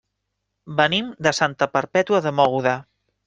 Venim de Santa Perpètua de Mogoda.